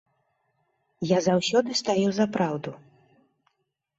Я заўсёды стаю за праўду!